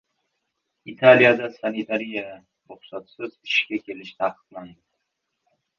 Italiyada sanitariya ruxsatisiz ishga kelish taqiqlandi